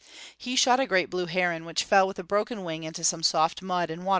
He shot a great blue heron, which fell with a broken wing into some soft mud and water grass.